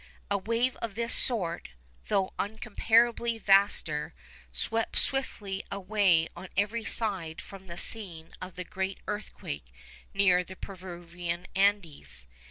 A wave of this sort, though incomparably vaster, swept swiftly away on every side from the scene of the great earthquake near the Peruvian Andes.